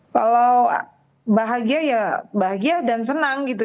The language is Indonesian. kalau bahagia ya bahagia dan senang gitu